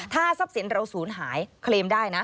ถ้าทรัพย์สินเราศูนย์หายเคลมได้นะ